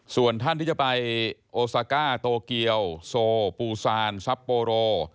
ส่วนท่านที่จะไปโอซาก้าโตเกียวโซปูซานซับโปโร